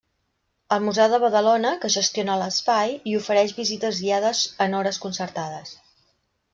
El Museu de Badalona, que gestiona l'espai, hi ofereix visites guiades en hores concertades.